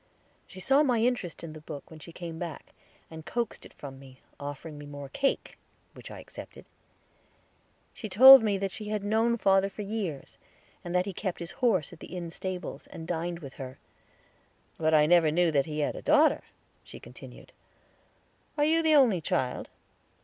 She saw my interest in the book when she came back, and coaxed it from me, offering me more cake, which I accepted. She told me that she had known father for years, and that he kept his horse at the inn stables, and dined with her. "But I never knew that he had a daughter," she continued. "Are you the only child?"